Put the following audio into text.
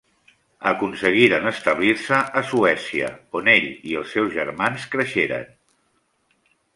Aconseguiren establir-se a Suècia, on ell i els seus germans creixeren.